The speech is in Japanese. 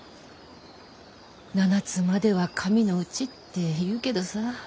「七つまでは神のうち」って言うけどさ。